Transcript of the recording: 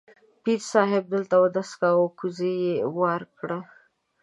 پیر صاحب دلته اودس کاوه، کوزړۍ یې وار کړه.